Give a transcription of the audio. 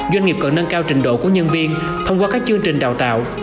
chúng ta cần phải tự nhiên thông qua các chương trình đào tạo